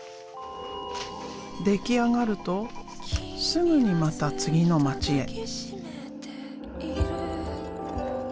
出来上がるとすぐにまた次の街へ。